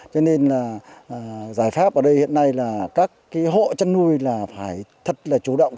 cho nên giải pháp ở đây hiện nay là các hộ chân nuôi phải thật là chủ động